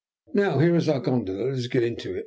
Now, here is our gondola. Let us get into it.